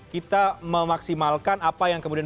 kita memaksimalkan apa yang kemudian